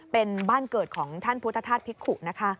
เป็นบ้านเกิดของท่านพุทธธาตุภิกขุนะคะ